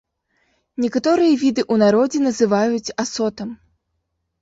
Некаторыя віды ў народзе называюць асотам.